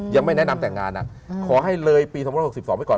ยังไม่แนะนำแต่งงานขอให้เลยปี๒๖๒ไว้ก่อน